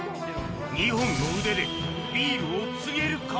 ２本の腕でビールをつげるか？